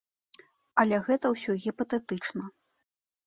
Але гэта ўсё гіпатэтычна.